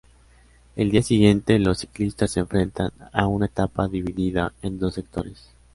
El día siguiente los ciclistas se enfrentan a una etapa dividida en dos sectores.